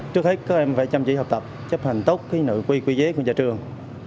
trước hết các em phải chăm chỉ học tập chấp hành tốt nội quy quy chế của nhà trường